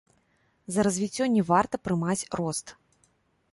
За развіццё не варта прымаць рост.